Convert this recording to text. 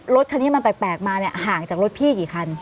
รถคันนี้มันแปลกมาเนี่ยห่างจากรถพี่กี่คัน